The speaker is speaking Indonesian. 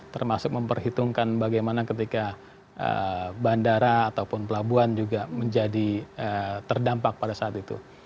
termasuk memperhitungkan bagaimana ketika bandara ataupun pelabuhan juga menjadi terdampak pada saat itu